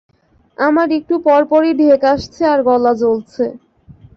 আমার একটু পরপরই ঢেক আসছে আর গলা জ্বলছে।